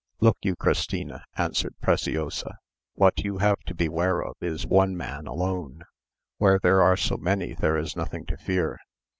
"Look you, Christina," answered Preciosa, "what you have to beware of is one man alone; where there are so many there is nothing to fear.